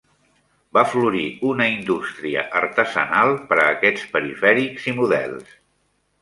Va florir una indústria artesanal per a aquests perifèrics i models.